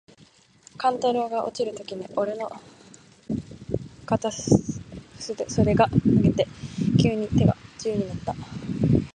勘太郎が落ちるときに、おれの袷の片袖がもげて、急に手が自由になつた。